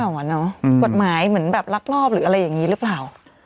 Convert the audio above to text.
กฎหมายเหมือนแบบลักลอบหรืออะไรอย่างนี้หรือเปล่า